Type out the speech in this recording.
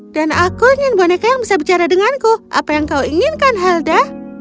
dan aku ingin boneka yang bisa bicara denganku apa yang kau inginkan helda